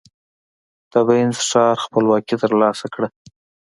د وينز ښار خپلواکي ترلاسه کړه.